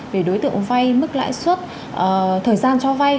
về đối tượng vay mức lãi suất thời gian cho vay